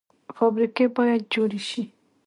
فابریکې باید جوړې شي